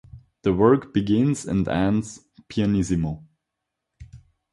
The work begins and ends pianissimo.